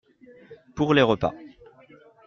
Pour les repas.